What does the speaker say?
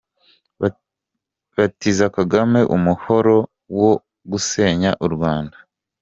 Batiza Kagame umuhoro wo gusenya u Rwanda.